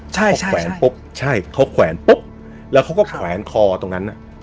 ใช่ค่ะแขวนปุ๊บใช่เขาแขวนปุ๊บแล้วเขาก็แขวนคอตรงนั้น